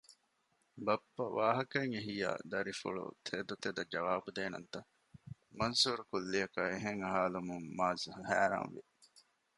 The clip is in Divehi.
ބައްޕަ ވާހަކައެއް އެހިއްޔާ ދަރިފުޅު ތެދުތެދަށް ޖަވާބު ދޭނަންތަ؟ މަންސޫރު ކުއްލިއަކަށް އެހެން އަހާލުމުން މާޒް ހައިރާންވި